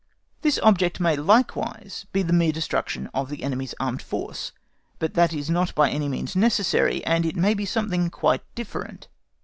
This object may likewise be the mere destruction of the enemy's armed force; but that is not by any means necessary, and it may be something quite different.